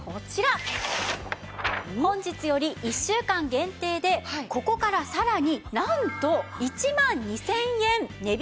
本日より１週間限定でここからさらになんと１万２０００円値引き致します。